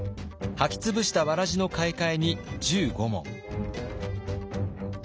履き潰したわらじの買い替えに１５文。